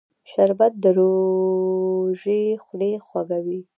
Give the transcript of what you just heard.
شربت د روژې خولې خوږوي